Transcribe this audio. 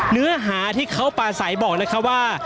เนื้อหาที่เขาปลาใสบอกนะคะว่า